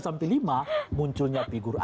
itu diluar mungkin skenario pak jokowi